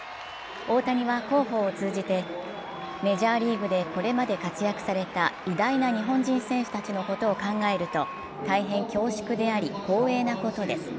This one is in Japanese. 大谷は広報を通じて、メジャーリーグでこれまで活躍された偉大な日本人選手たちのことを考えると大変恐縮であり光栄なことです。